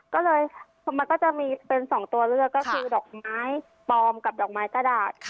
ก็เลยมันก็จะมีเป็น๒ตัวเลือกก็คือดอกไม้ปลอมกับดอกไม้กระดาษ